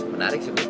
menarik sih bu